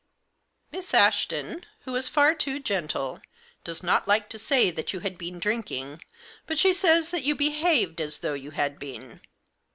Miss Ashton, who is far too gentle, does not like to. say that you had been drinking, but she says that you behaved as though you had been.